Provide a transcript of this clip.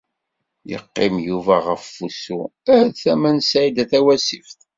Yeqqim Yuba ɣef ussu ar tama n Saɛida Tawasift.